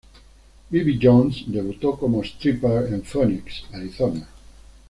Bibi Jones debutó como stripper en Phoenix, Arizona.